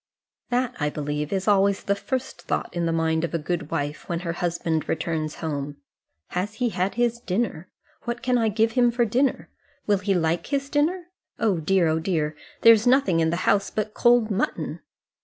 That, I believe, is always the first thought in the mind of a good wife when her husband returns home. Has he had his dinner? What can I give him for dinner? Will he like his dinner? Oh dear, oh dear! there is nothing in the house but cold mutton.